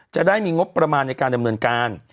จะได้มีงบประมาณในการดำเนินการ